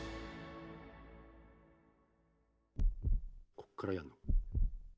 こっからやんの。